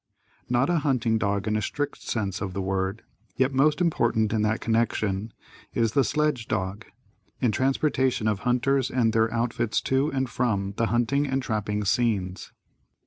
Not a hunting dog in a strict sense of the word, yet most important in that connection, is the sledge dog, in transportation of hunters and their outfits to and from the hunting and trapping scenes.